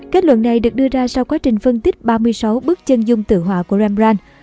kết luận này được đưa ra sau quá trình phân tích ba mươi sáu bước chân dung tự họa của rambran